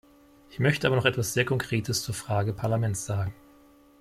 Ich möchte aber noch etwas sehr Konkretes zur Frage Parlament sagen.